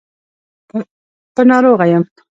په ناروغه يم.